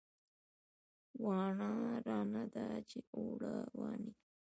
واڼه راغلې ده چې اوړه واڼي